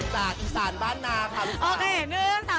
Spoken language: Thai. จากอีสานบ้านนาค่ะลูกค้า